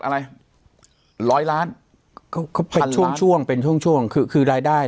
อะไรร้อยล้านก็เป็นช่วงช่วงเป็นช่วงช่วงคือคือรายได้